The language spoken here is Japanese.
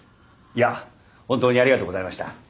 いや本当にありがとうございました。